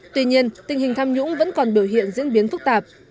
tuy nhiên tình hình tham nhũng vẫn còn biểu hiện diễn biến phức tạp